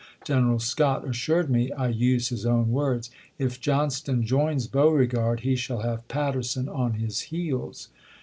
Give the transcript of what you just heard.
" General Scott assured me — I use his own words — 'if Johnston joins Beauregard he shall have Patterson on his heels.'"